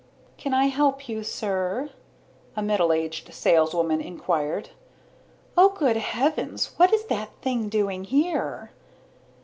"Can I help you, sir?" a middle aged saleswoman inquired. "Oh, good heavens, whatever is that thing doing here?"